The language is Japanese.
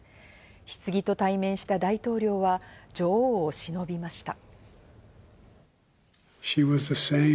ひつぎと対面した大統領は女王を偲びました。